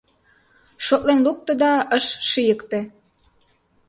Шотлен лукто да ыш шийыкте.